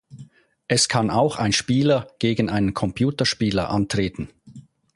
Es kann auch ein Spieler gegen einen Computerspieler antreten.